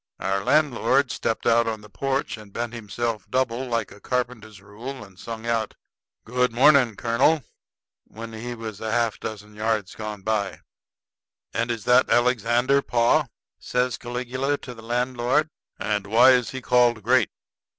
Our landlord stepped out on the porch and bent himself double like a carpenter's rule, and sung out, "Good morning, Colonel," when he was a dozen yards gone by. "And is that Alexander, pa?" says Caligula to the landlord; "and why is he called great?"